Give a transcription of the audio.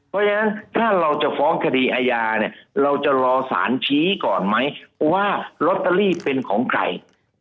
เพราะฉะนั้นถ้าเราจะฟ้องคดีอาญาเนี่ยเราจะรอสารชี้ก่อนไหมว่าลอตเตอรี่เป็นของใคร